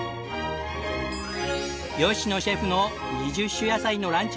野シェフの２０種野菜のランチ